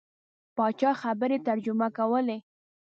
پاچا خبرې ترجمه کولې.